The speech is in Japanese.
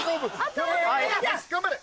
頑張れ！